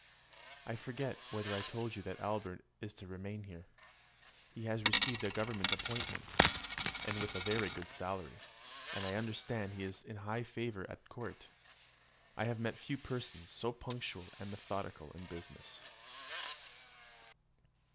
I forget whether I told you that Albert is to remain here. He has received a government appointment, with a very good salary; and I understand he is in high favour at court. I have met few persons so punctual and methodical in business.